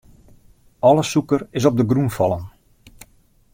Alle sûker is op de grûn fallen.